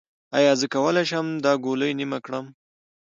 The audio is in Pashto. ایا زه کولی شم دا ګولۍ نیمه کړم؟